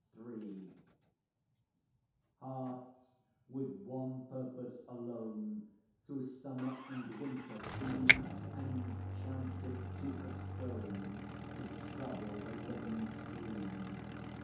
IIIHearts with one purpose alone Through summer and winter, seem Enchanted to a stone To trouble the living stream.